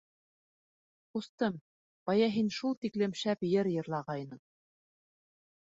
— Ҡустым, бая һин шул тиклем шәп йыр йырлағайның.